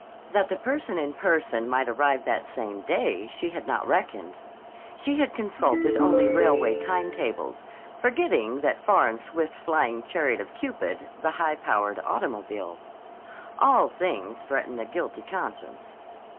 That the answer in person might arrive that same day she had not reckoned. She had consulted only railway time tables, forgetting that far and swift flying chariot of Cupid, the high powered automobile. ALL things threaten a guilty conscience.